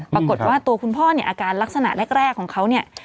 ปรากฏว่าตัวคุณพ่ออาการลักษณะแรกของเขา